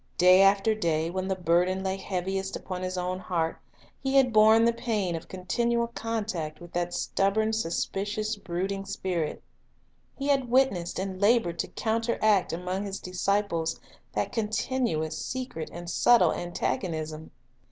Day after day, when the burden lay heaviest upon His own heart, He had borne the pain of continual contact with that stubborn, suspi cious, brooding spirit; He had witnessed and labored to counteract among His disciples that continuous, secret, and subtle antagonism.